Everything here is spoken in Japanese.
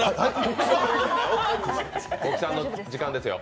大木さんの時間ですよ。